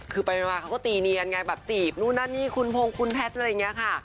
คือไปมาเขาก็ตีเนียนไงแบบจีบนู่นนั่นนี่คุณพงคุณแพทย์อะไรอย่างนี้ค่ะ